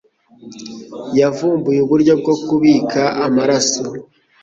yavumbuye uburyo bwo kubika amaraso